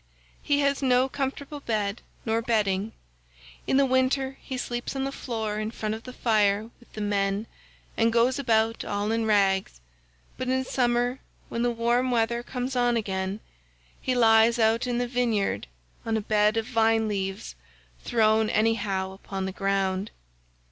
He has no comfortable bed nor bedding; in the winter he sleeps on the floor in front of the fire with the men and goes about all in rags, but in summer, when the warm weather comes on again, he lies out in the vineyard on a bed of vine leaves thrown any how upon the ground.